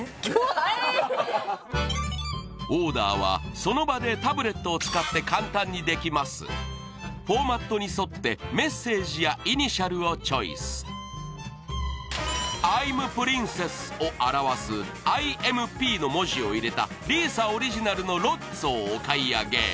オーダーはその場でタブレットを使って簡単にできますフォーマットに沿って「Ｉ’ｍｐｒｉｎｃｅｓｓ」をあらわす「ＩＭＰ」の文字を入れた里依紗オリジナルのロッツォをお買い上げ